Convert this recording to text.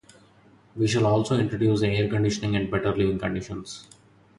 We shall also introduce air conditioning and better living conditions.